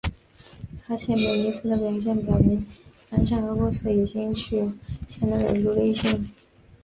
阿契美尼斯的表现表明安善和波斯已经具有相当的独立性。